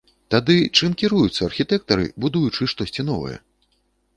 Тады чым кіруюцца архітэктары, будуючы штосьці новае?